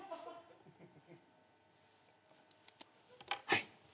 はい。